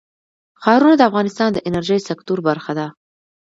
ښارونه د افغانستان د انرژۍ سکتور برخه ده.